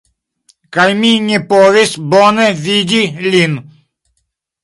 Kaj mi ne povis bone vidi lin